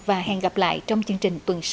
và hẹn gặp lại trong chương trình tuần sau